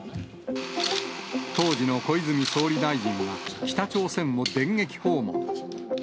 当時の小泉総理大臣が、北朝鮮を電撃訪問。